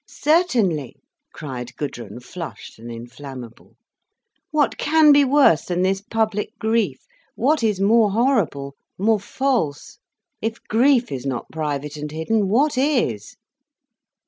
"Certainly!" cried Gudrun, flushed and inflammable. "What can be worse than this public grief—what is more horrible, more false! If grief is not private, and hidden, what is?"